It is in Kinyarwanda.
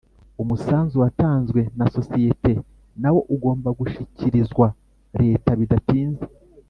Umusanzu watanzwe nasosiyete nawo ugomba gushikirizwa leta bidatinze